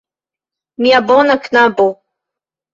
Mia bona "knabo"!